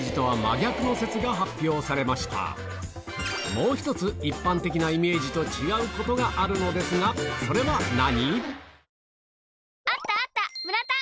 もう１つ一般的なイメージと違うことがあるのですがそれは何？